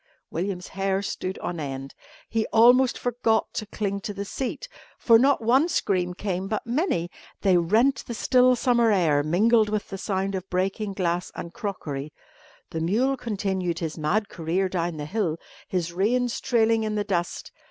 William's hair stood on end. He almost forgot to cling to the seat. For not one scream came but many. They rent the still summer air, mingled with the sound of breaking glass and crockery. The mule continued his mad career down the hill, his reins trailing in the dust.